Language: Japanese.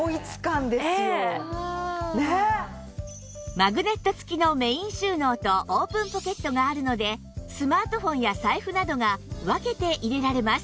マグネット付きのメイン収納とオープンポケットがあるのでスマートフォンや財布などが分けて入れられます